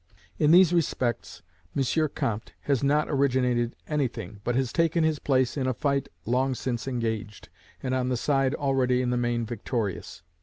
In these respects M. Comte has not originated anything, but has taken his place in a fight long since engaged, and on the side already in the main victorious.